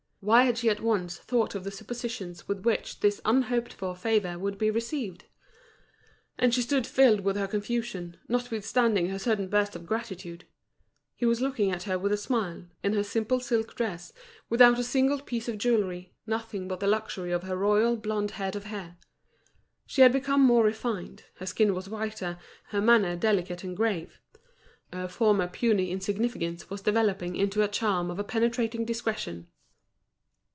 Why had she at once thought of the suppositions with which this unhoped for favour would be received? And she stood filled with her confusion, notwithstanding her sudden burst of gratitude. He was looking at her with a smile, in her simple silk dress, without a single piece of jewellery, nothing but the luxury of her royal, blonde head of hair. She had become more refined, her skin was whiter, her manner delicate and grave. Her former puny insignificance was developing into a charm of a penetrating discretion.